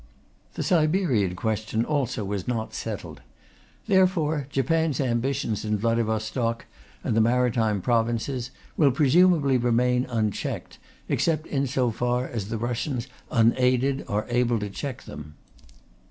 The Siberian question also was not settled. Therefore Japan's ambitions in Vladivostok and the Maritime Provinces will presumably remain unchecked except in so far as the Russians unaided are able to check them.